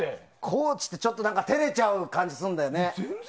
コーチって照れちゃう感じするんだよね。